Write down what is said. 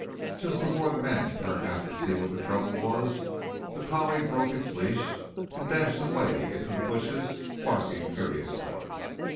Just before the men turned out to see what the trouble was, the collie broke its leash and dashed away into the bushes, barking furiously.